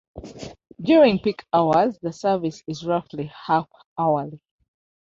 During peak hours the service is roughly half-hourly.